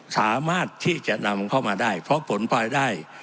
สามารถที่จะนำเข้ามาได้เพราะผลพลอยได้